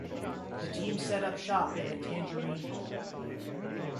The team set up shop in the Tangerine Bowl.